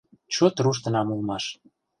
Чот руштынам улмаш.